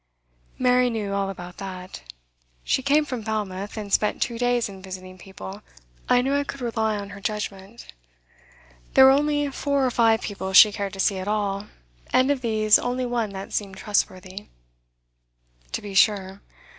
'Mary knew all about that. She came from Falmouth, and spent two days in visiting people. I knew I could rely on her judgment. There were only four or five people she cared to see at all, and of these only one that seemed trustworthy.' 'To be sure.